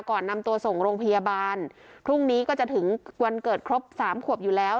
ก่อนนำตัวส่งโรงพยาบาลพรุ่งนี้ก็จะถึงวันเกิดครบสามขวบอยู่แล้ว